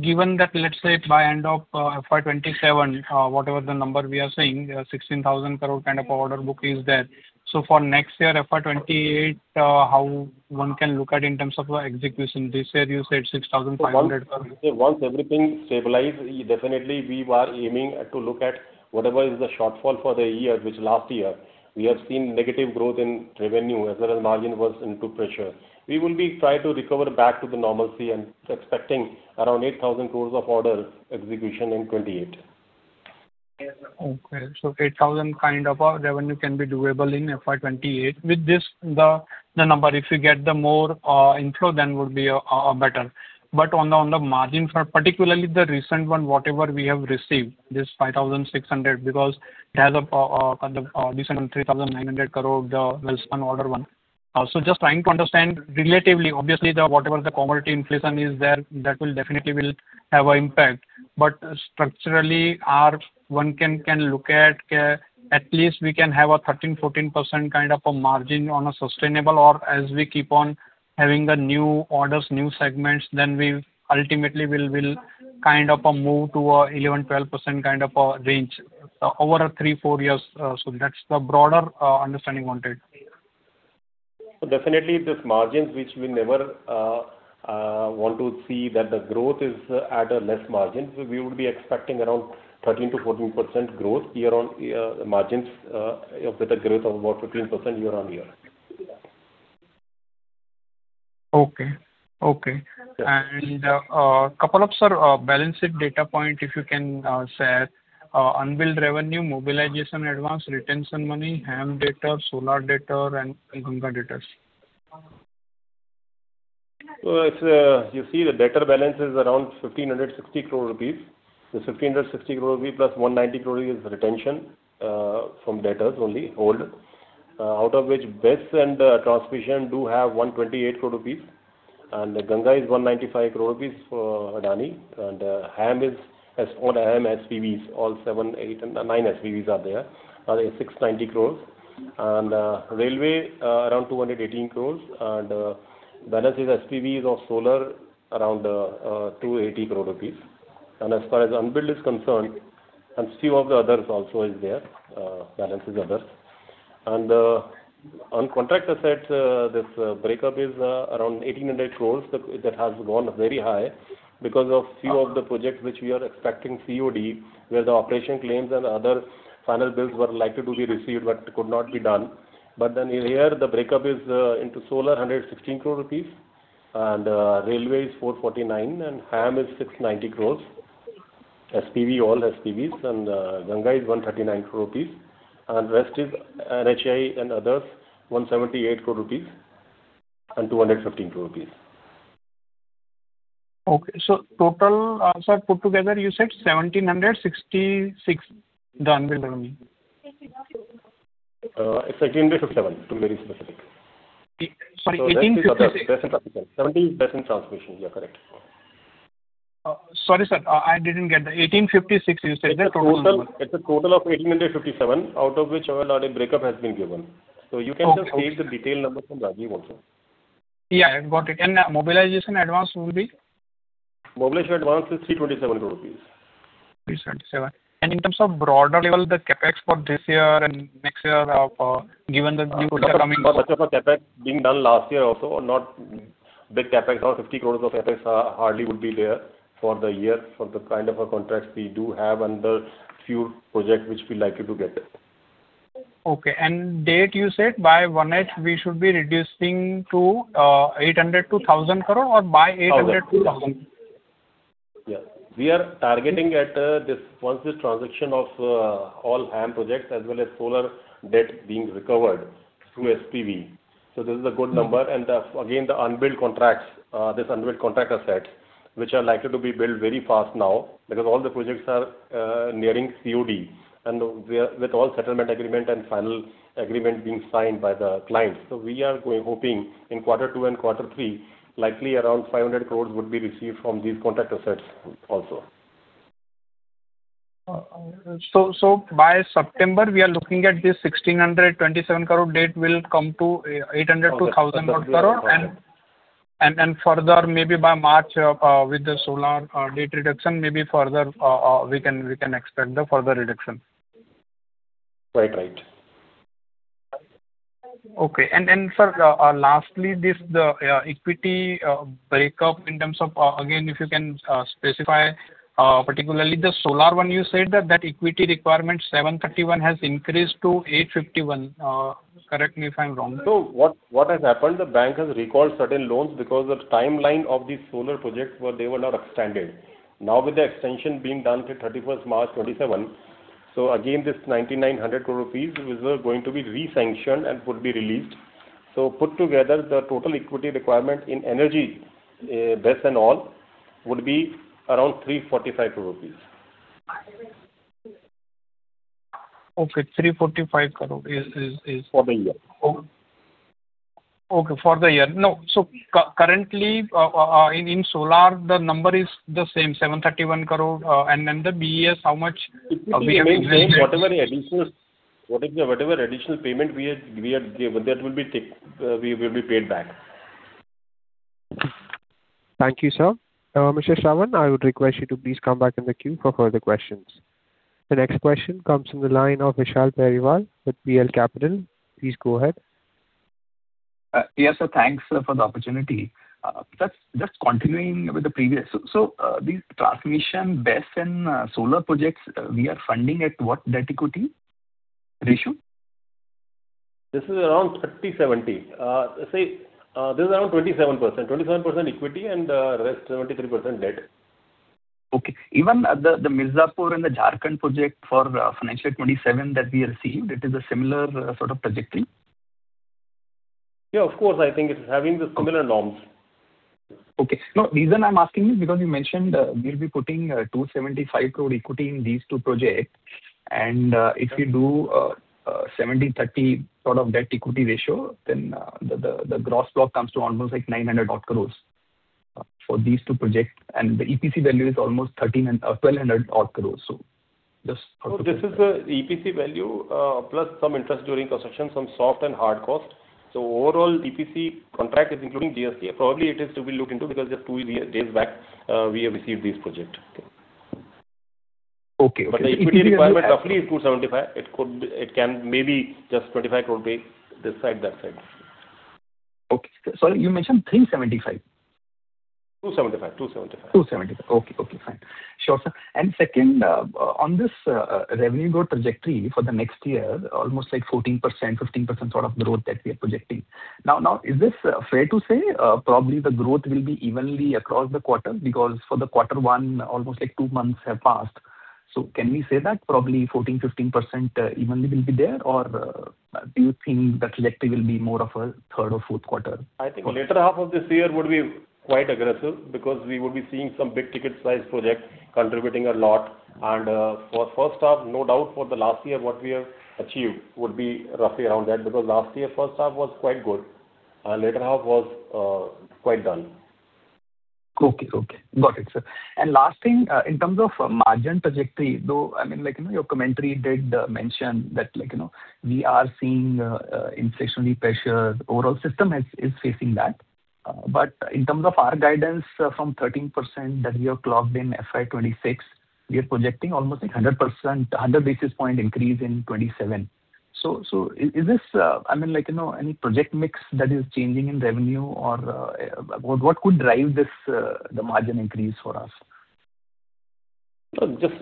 [SPEAKER 4] Given that, let's say by end of FY 2027, whatever the number we are saying, 16,000 crore kind of order book is there. For next year, FY 2028, how one can look at in terms of execution. This year you said 6,500 crore.
[SPEAKER 3] Once everything stabilizes, definitely we are aiming to look at whatever is the shortfall for the year, which last year we have seen negative growth in revenue as well as margin was into pressure. We will be trying to recover back to the normalcy and expecting around 8,000 crores of order execution in FY 2028.
[SPEAKER 4] Okay. 8,000 kind of a revenue can be doable in FY 2028. With this, the number, if you get the more inflow, would be better. On the margin front, particularly the recent one, whatever we have received, this 5,600, because it has a decent 3,900 crore, the Welspun order one. Just trying to understand relatively, obviously, whatever the commodity inflation is there, that will definitely will have an impact. Structurally, one can look at at least we can have a 13%-14% kind of a margin on a sustainable, or as we keep on having the new orders, new segments, then we ultimately will kind of move to a 11%-12% kind of a range over 3 years-4 years or so. That's the broader understanding I wanted.
[SPEAKER 3] Definitely these margins, which we never want to see that the growth is at a less margin. We would be expecting around 13%-14% growth year-on-year margins, with a growth of about 15% year-on-year.
[SPEAKER 4] Okay. Couple of, sir, balance sheet data point, if you can share? Unbilled revenue, mobilization advance, retention money, HAM data, solar data, and Ganga datas.
[SPEAKER 3] You see the debtor balance is around 1,560 crore rupees. 1,560 crore rupees plus 190 crore is retention from debtors only, old. Out of which, BESS and transmission do have 128 crore rupees, and Ganga is 195 crore rupees for Adani, and HAM is, all nine SPVs are there, are at 690 crore. Railway, around 218 crore, and balance is SPVs of solar around 280 crore rupees. As far as unbilled is concerned, and few of the others also is there, balance is others. On contractor side, this breakup is around 1,800 crore. That has gone very high because of few of the projects which we are expecting COD, where the operation claims and other final bills were likely to be received but could not be done. Here, the breakup is into solar, 116 crore rupees, and railway is 449 crore, and HAM is 690 crore, all SPVs. Ganga is 139 crore rupees, and rest is NHAI and others, 178 crore rupees and 215 crore rupees.
[SPEAKER 4] Okay. Total, sir, put together, you said 1,766 the unbilled earning.
[SPEAKER 3] It's 1,857, to be very specific.
[SPEAKER 4] Sorry, 1856.
[SPEAKER 3] 1856. 17 is transmission. Yeah, correct.
[SPEAKER 4] Sorry, sir. I didn't get that. 1856, you said the total number.
[SPEAKER 3] It's a total of 1,857, out of which already breakup has been given. You can just take the detail number from Rajeev also.
[SPEAKER 4] Yeah, I've got it. Mobilization advance will be?
[SPEAKER 3] Mobilization advance is 327 crores
[SPEAKER 4] rupees. 327. In terms of broader level, the CapEx for this year and next year, given that.
[SPEAKER 3] A bunch of our CapEx being done last year also. Not big CapEx. Around 50 crores of CapEx hardly would be there for the year for the kind of a contract we do have under few projects which we likely to get it.
[SPEAKER 4] Okay. Date, you said by 1H, we should be reducing to 800 to INR 1,000 crore or by 800 to 1,000 crore?
[SPEAKER 3] Yeah. We are targeting at this, once this transaction of all HAM projects as well as solar debt being recovered through SPV. This is a good number. Again, this unbilled contractor asset, which are likely to be billed very fast now, because all the projects are nearing COD and with all settlement agreement and final agreement being signed by the clients. We are hoping in quarter two and quarter three, likely around 500 crores would be received from these contractor assets also.
[SPEAKER 4] By September, we are looking at this 1,627 crore debt will come to 800 crore-1,000 odd crore. Further, maybe by March, with the solar debt reduction, maybe we can expect the further reduction.
[SPEAKER 3] Right.
[SPEAKER 4] Okay. Then, sir, lastly, the equity breakup, in terms of, again, if you can specify, particularly the solar one, you said that equity requirement 731 has increased to 851. Correct me if I'm wrong.
[SPEAKER 3] What has happened, the bank has recalled certain loans because the timeline of these solar projects, they were not extended. With the extension being done till 31st March 2027, again, this 9,900 crores rupees is going to be re-sanctioned and would be released. Put together, the total equity requirement in energy, BESS and all, would be around 345 crores rupees.
[SPEAKER 4] Okay. 345 crore.
[SPEAKER 3] For the year.
[SPEAKER 4] Okay. For the year. Currently, in solar, the number is the same, 731 crore. The BESS, how much?
[SPEAKER 3] It remains same. Whatever additional payment we had given, that will be paid back.
[SPEAKER 1] Thank you, sir. Mr. Shravan, I would request you to please come back in the queue for further questions. The next question comes from the line of Vishal Periwal with PL Capital. Please go ahead.
[SPEAKER 7] Yes, sir. Thanks for the opportunity. Just continuing with the previous. These transmission, BESS, and solar projects, we are funding at what debt-equity ratio?
[SPEAKER 3] This is around 30/70. This is around 27%. 27% equity and the rest, 73%, debt.
[SPEAKER 7] Okay. Even the Mirzapur and the Jharkhand project for FY 2027 that we received, it is a similar sort of trajectory?
[SPEAKER 3] Yeah, of course. I think it's having the similar norms.
[SPEAKER 7] Okay. No, reason I'm asking is because you mentioned we'll be putting 275 crore equity in these two projects, and if you do 70/30 sort of debt-equity ratio, then the gross block comes to almost like 900 odd crore for these two projects. The EPC value is almost 1,200 odd crore.
[SPEAKER 3] This is the EPC value, plus some interest during construction, some soft and hard cost. Overall EPC contract is including DSCC. Probably it is to be looked into because just two days back we have received this project.
[SPEAKER 7] Okay.
[SPEAKER 3] The equity requirement roughly is 275. It can maybe just 25 crore this side, that side.
[SPEAKER 7] Okay. Sorry, you mentioned 375.
[SPEAKER 3] 275.
[SPEAKER 7] 275. Okay, fine. Sure, sir. Second, on this revenue growth trajectory for the next year, almost like 14%-15% sort of growth that we are projecting. Is this fair to say, probably the growth will be evenly across the quarter? For the quarter one, almost like two months have passed. Can we say that probably 14%-15% evenly will be there, or do you think that likely will be more of a third or fourth quarter?
[SPEAKER 3] I think latter half of this year would be quite aggressive because we would be seeing some big ticket size projects contributing a lot. For first half, no doubt for the last year, what we have achieved would be roughly around that, because last year first half was quite good and latter half was quite down.
[SPEAKER 7] Okay. Got it, sir. Last thing, in terms of margin trajectory, though, your commentary did mention that we are seeing inflationary pressures. Overall system is facing that. In terms of our guidance from 13% that we have clocked in FY 2026, we are projecting almost 100 basis point increase in 2027. Is this any project mix that is changing in revenue or what could drive the margin increase for us?
[SPEAKER 3] Just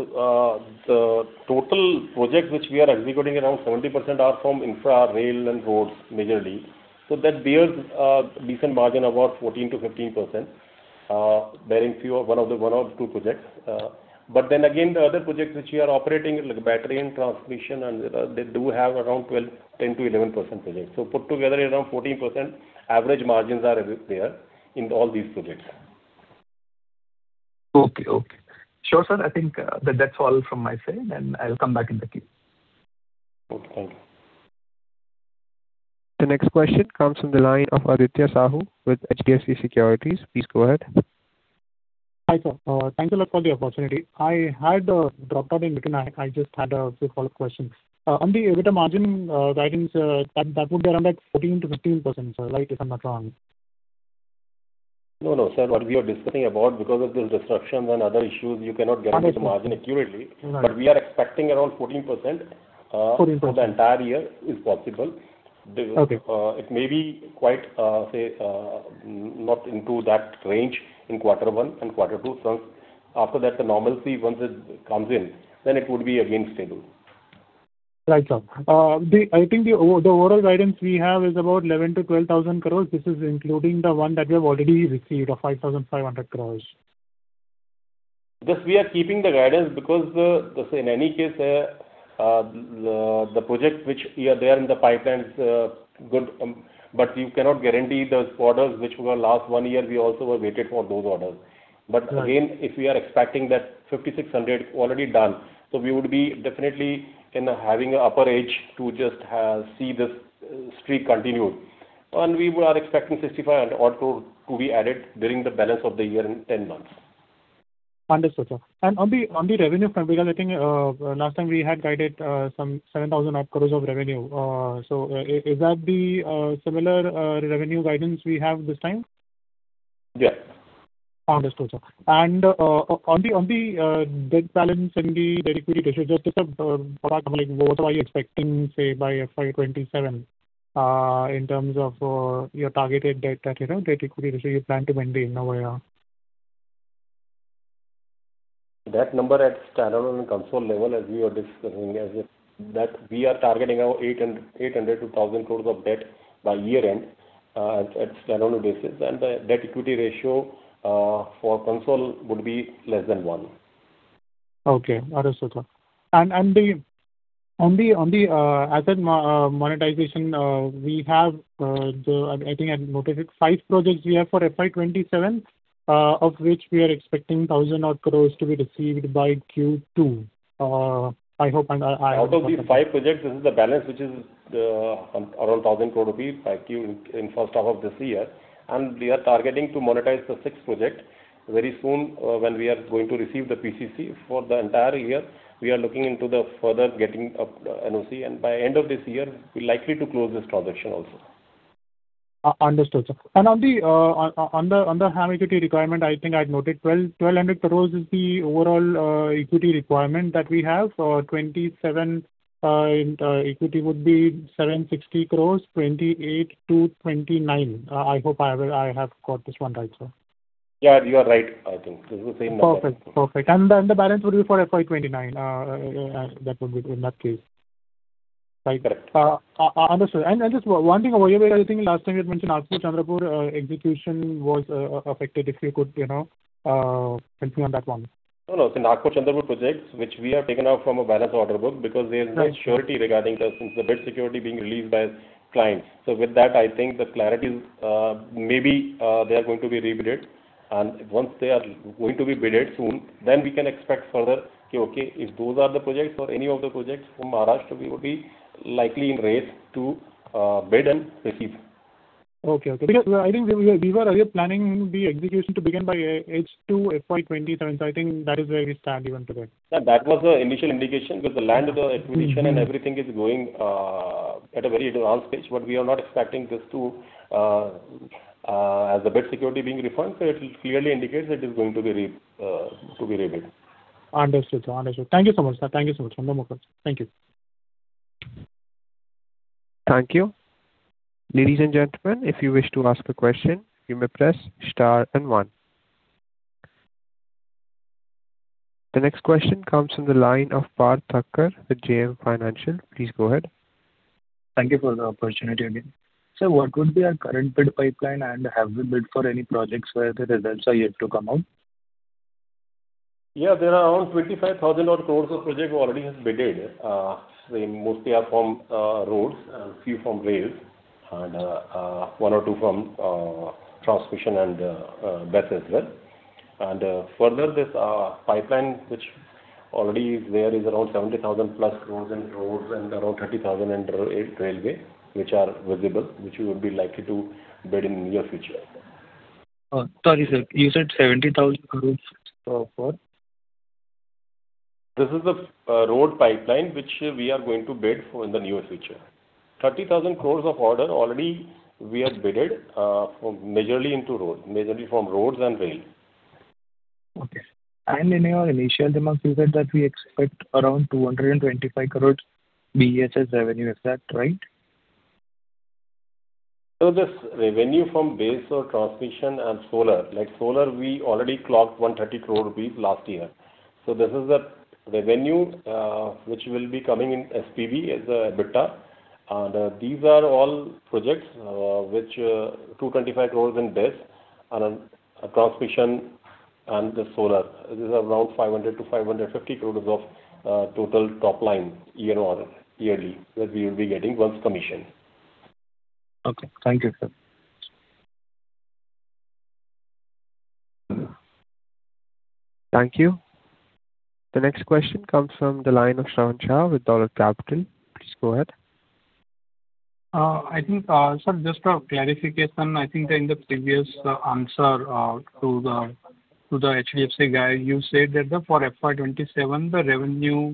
[SPEAKER 3] the total project which we are executing, around 70% are from infra, rail, and roads, majorly. That bears a decent margin, about 14%-15%, barring one or two projects. Again, the other projects which we are operating, like battery and transmission, they do have around 10%-11% projects. Put together, around 14% average margins are there in all these projects.
[SPEAKER 7] Okay. Sure, sir. I think that's all from my side, and I'll come back in the queue.
[SPEAKER 3] Okay, thank you.
[SPEAKER 1] The next question comes from the line of Aditya Sahu with HDFC Securities. Please go ahead.
[SPEAKER 8] Hi, sir. Thank you a lot for the opportunity. I had dropped out in between. I just had a few follow-up questions. On the EBITDA margin guidance, that would be around 14%-15%, sir, right? If I'm not wrong.
[SPEAKER 3] No, sir. What we are discussing about, because of the disruptions and other issues, you cannot guarantee the margin accurately.
[SPEAKER 8] Right.
[SPEAKER 3] We are expecting around 14%.
[SPEAKER 8] 14%.
[SPEAKER 3] For the entire year is possible.
[SPEAKER 8] Okay.
[SPEAKER 3] It may be quite, say, not into that range in quarter one and quarter two. After that, the normalcy, once it comes in, then it would be again stable.
[SPEAKER 8] Right, sir. I think the overall guidance we have is about 11,000 crore-12,000 crore. This is including the one that we have already received of 5,500 crore.
[SPEAKER 3] This we are keeping the guidance because, in any case, the projects which are there in the pipeline is good, but you cannot guarantee those orders which were last one year, we also were waited for those orders. Again, if we are expecting that 5,600 already done, we would be definitely having an upper edge to just see this streak continued. We are expecting 6,500 or to be added during the balance of the year in 10 months.
[SPEAKER 8] Understood, sir. On the revenue front, because I think last time we had guided some 7,000 odd crores of revenue. Is that the similar revenue guidance we have this time?
[SPEAKER 3] Yes.
[SPEAKER 8] Understood, sir. On the debt balance and the debt equity ratio, just as a product, what are you expecting, say, by FY 2027, in terms of your targeted debt, that debt equity ratio you plan to maintain over a year.
[SPEAKER 3] That number at standalone and consol level, as we are discussing, is that we are targeting around 800 crores-1,000 crores of debt by year-end, at standalone basis, and the debt equity ratio for consol would be less than one.
[SPEAKER 8] Okay. Understood, sir. On the asset monetization, we have, I think I noted it, five projects we have for FY 2027, of which we are expecting 1,000 odd crores to be received by Q2.
[SPEAKER 3] Out of the five projects, this is the balance which is around 1,000 crore rupees by Q in first half of this year. We are targeting to monetize the sixth project very soon when we are going to receive the PCC for the entire year. We are looking into the further getting of NOC, and by end of this year, we likely to close this transaction also.
[SPEAKER 8] Understood, sir. On the HAM equity requirement, I think I'd noted 1,200 crore is the overall equity requirement that we have. 2027 equity would be 760 crore, 2028 to 2029. I hope I have got this one right, sir.
[SPEAKER 3] Yeah, you are right. I think this is the same number.
[SPEAKER 8] Perfect. The balance would be for FY 2029. That would be in that case. Right.
[SPEAKER 3] Correct.
[SPEAKER 8] Understood. Just one thing over here, I think last time you had mentioned Nagpur-Chandrapur execution was affected, if you could help me on that one.
[SPEAKER 3] No. Nagpur-Chandrapur projects, which we have taken out from a balance order book because there is no surety regarding the bid security being released by clients. With that, I think the clarity is maybe they are going to be rebid. Once they are going to be bidded soon, we can expect further, okay, if those are the projects or any of the projects from Maharashtra, we would be likely in race to bid and receive.
[SPEAKER 8] Okay. Because I think these were your planning the execution to begin by H2 FY 2027. I think that is where we stand even today.
[SPEAKER 3] That was the initial indication because the land acquisition and everything is going at a very advanced stage. We are not expecting this to, as the bid security being refunded, so it clearly indicates that is going to be rebid.
[SPEAKER 8] Understood, sir. Thank you so much, sir. No more questions. Thank you.
[SPEAKER 1] Thank you. Ladies and gentlemen, if you wish to ask a question, you may press star and one. The next question comes from the line of Parth Thakkar with JM Financial. Please go ahead.
[SPEAKER 6] Thank you for the opportunity again. Sir, what would be our current bid pipeline and have we bid for any projects where the results are yet to come out?
[SPEAKER 3] Yeah, there are around 25,000 odd crores of project already has bidded. They mostly are from roads and a few from rail, one or two from transmission and BESS as well. Further, this pipeline, which already is there, is around 70,000+ crores in roads and around 30,000 in railway, which are visible, which we would be likely to bid in near future.
[SPEAKER 6] Sorry, sir. You said 70,000 crore for?
[SPEAKER 3] This is the road pipeline which we are going to bid for in the near future. 30,000 crore of order already we have bidded, majorly into road, majorly from roads and rail.
[SPEAKER 6] Okay. In your initial remarks, you said that we expect around 225 crores BESS revenue. Is that right?
[SPEAKER 3] This revenue from BESS or transmission and solar. Solar, we already clocked 130 crore rupees last year. This is the revenue which will be coming in SPV as EBITDA. These are all projects, which 225 crore in this and transmission and the solar. This is around 500 crore-550 crore of total top line year-on or yearly that we will be getting once commissioned.
[SPEAKER 6] Okay. Thank you, sir.
[SPEAKER 1] Thank you. The next question comes from the line of Shravan Shah with Dolat Capital. Please go ahead.
[SPEAKER 4] Sir, just a clarification. I think that in the previous answer to the HDFC guy, you said that for FY 2027, the revenue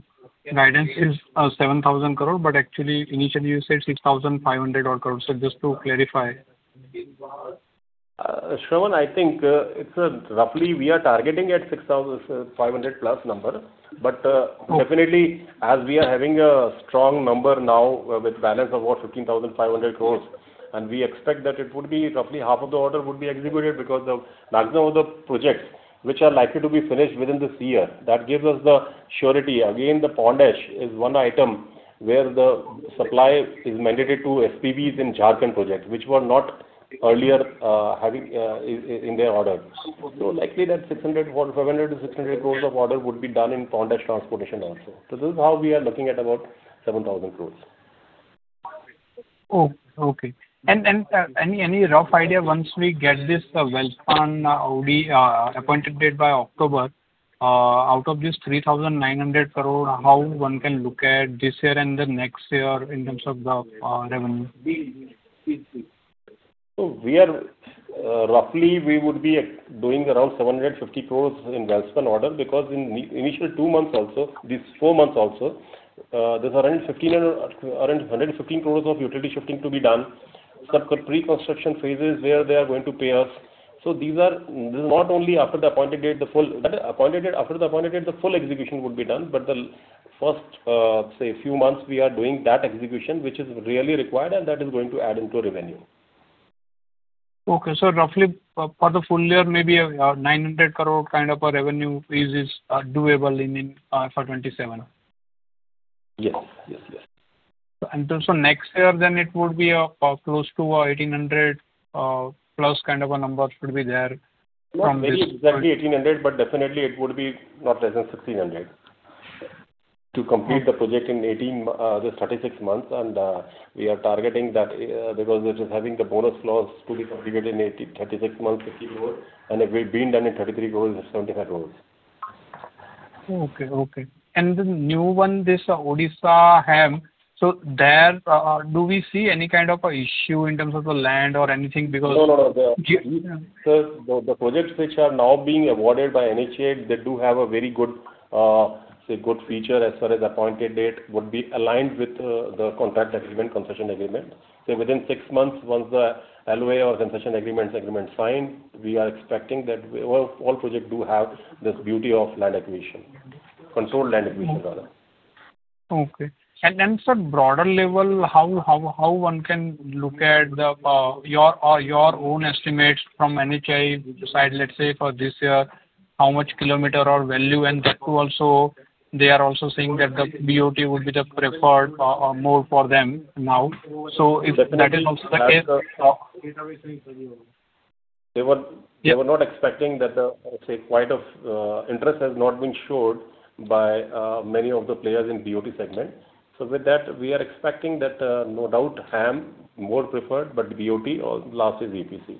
[SPEAKER 4] guidance is 7,000 crore, but actually initially you said 6,500 odd crore. Just to clarify.
[SPEAKER 3] Shravan, I think roughly we are targeting at 6,500+. Definitely, as we are having a strong number now with balance of about 15,500 crore, and we expect that it would be roughly half of the order would be executed because the maximum of the projects which are likely to be finished within this year, that gives us the surety. The pond ash is one item where the supply is mandated to SPVs in Jharkhand project, which were not earlier in their order. Likely that 500 crore-600 crore of order would be done in pond ash transportation also. This is how we are looking at about 7,000 crore.
[SPEAKER 4] Okay. Any rough idea once we get this Welspun appointed date by October, out of this 3,900 crore, how one can look at this year and the next year in terms of the revenue?
[SPEAKER 3] Roughly, we would be doing around 750 crore in Welspun order, because in initial two months also, these four months also, there's around 115 crore of utility shifting to be done, some pre-construction phases where they are going to pay us. This is not only after the appointed date, the full execution would be done. The first, say few months, we are doing that execution, which is really required, and that is going to add into revenue.
[SPEAKER 4] Okay. Roughly for the full year, maybe 900 crore kind of a revenue is doable in FY 2027.
[SPEAKER 3] Yes.
[SPEAKER 4] Also next year, then it would be close to 1,800+ kind of a number should be there from this-
[SPEAKER 3] Not maybe exactly 1,800, but definitely it would be not less than 1,600 to complete the project in this 36 months and we are targeting that because it is having the bonus clause to be completed in 36 months, 50 crore, and if we've been done in 33 months, 75 crore.
[SPEAKER 4] Okay. The new one, this Odisha HAM, so there, do we see any kind of issue in terms of the land or anything?
[SPEAKER 3] No. The projects which are now being awarded by NHAI, they do have a very good feature as far as appointed date would be aligned with the contract agreement, concession agreement. Say within six months, once the LOA or concession agreement signed, we are expecting that all project do have this beauty of land acquisition, consolidated land acquisition rather.
[SPEAKER 4] Okay. Sir, broader level, how one can look at your own estimates from NHAI side, let's say for this year, how much kilometer or value and that too also they are also saying that the BOT would be the preferred or more for them now? If that is also the case.
[SPEAKER 3] They were not expecting that the, let's say quite of interest has not been showed by many of the players in BOT segment. With that, we are expecting that, no doubt, HAM more preferred, but BOT or last is EPC.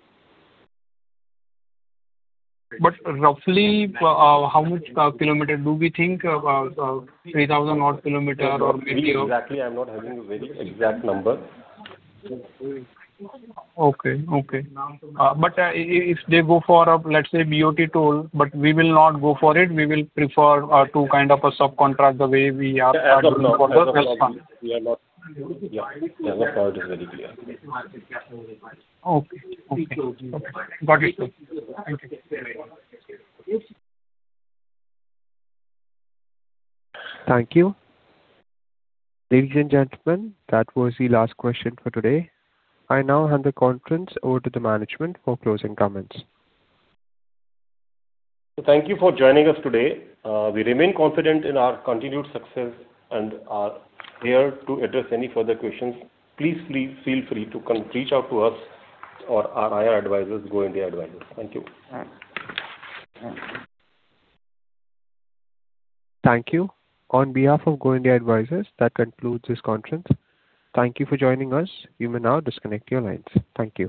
[SPEAKER 4] Roughly how much kilometer do we think? 3,000 odd kilometer.
[SPEAKER 3] Exactly, I'm not having a very exact number.
[SPEAKER 4] Okay. If they go for, let's say BOT toll, but we will not go for it. We will prefer to kind of a subcontract the way we are doing for the Welspun.
[SPEAKER 3] As of now it is very clear.
[SPEAKER 4] Okay. Thank you.
[SPEAKER 1] Thank you. Ladies and gentlemen, that was the last question for today. I now hand the conference over to the management for closing comments.
[SPEAKER 3] Thank you for joining us today. We remain confident in our continued success and are here to address any further questions. Please feel free to reach out to us or our IR advisors, Go India Advisors. Thank you.
[SPEAKER 1] Thank you. On behalf of Go India Advisors, that concludes this conference. Thank you for joining us. You may now disconnect your lines. Thank you.